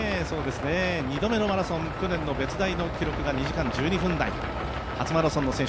２度目のマラソン、去年の別大の記録が２時間１２分台、初マラソンの選手。